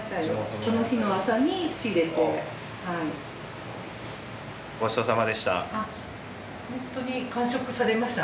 ごちそうさまでした。